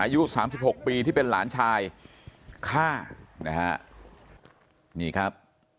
อายุ๓๖ปีที่เป็นหลานชายฆ่านะครับ